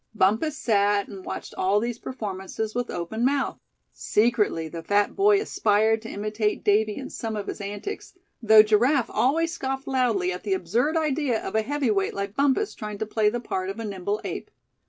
Bumpus sat and watched all these performances with open mouth. Secretly the fat boy aspired to imitate Davy in some of his antics; though Giraffe always scoffed loudly at the absurd idea of a heavy weight like Bumpus trying to play the part of a nimble ape.